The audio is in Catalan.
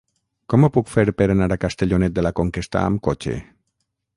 Com ho puc fer per anar a Castellonet de la Conquesta amb cotxe?